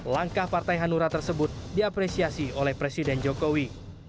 langkah partai hanura tersebut diapresiasi oleh presiden jokowi